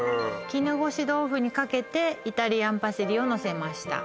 絹ごし豆腐にかけてイタリアンパセリをのせました